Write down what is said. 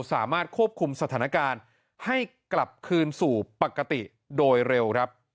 สามารถควบคุมสถานการณ์ให้กลับคืนสู่ปกติโดยเร็วครับ